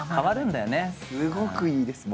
すごくいいです。